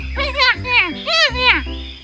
cepat turun sekarang